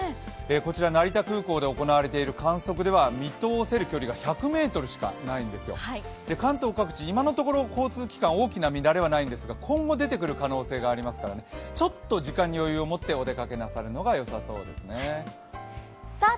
こちら成田空港での観測は見通せる距離は１００ｍしかないんですよ、関東各地今のところ交通機関大きな乱れはないんですが今後出てくる可能性がありますから、ちょっと時間に余裕をもってお出かけなさるのがいいかもしれません。